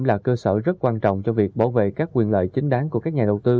là cơ sở rất quan trọng cho việc bảo vệ các quyền lợi chính đáng của các nhà đầu tư